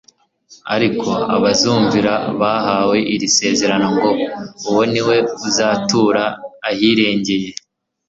Ariko abazumvira bahawe iri sezerano ngo: « uwo ni we uzatura ahirengeye,